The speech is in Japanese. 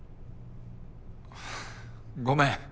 ごめん。